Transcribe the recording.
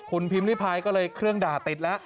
คุณพิมพิพายก็เลยเครื่องด่าติดแล้ว